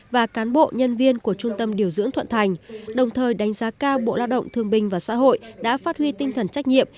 và cán bộ nhân viên của trung tâm điều dưỡng thuận thành đồng thời đánh giá cao bộ lao động thương binh và xã hội đã phát huy tinh thần trách nhiệm